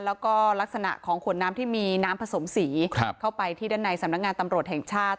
แล้วก็ลักษณะของขวดน้ำที่มีน้ำผสมสีเข้าไปที่ด้านในสำนักงานตำรวจแห่งชาติ